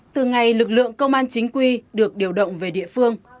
từ ngày lực lượng công an chính quy được điều động về địa phương